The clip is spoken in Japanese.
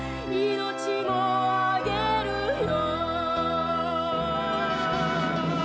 「命をあげるよ」